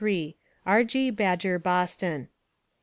G. Badger, Boston.